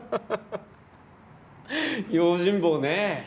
用心棒ね。